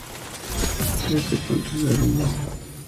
Este puente se derrumbó.